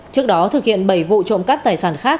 trước đó thực hiện bảy vụ trộm cắp tài sản khác